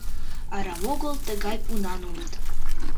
Арам огыл тыгай пунан улыт.